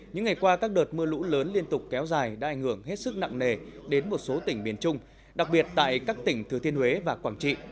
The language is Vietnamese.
những ngày qua các đợt mưa lũ lớn liên tục kéo dài đã ảnh hưởng hết sức nặng nề đến một số tỉnh miền trung đặc biệt tại các tỉnh thừa thiên huế và quảng trị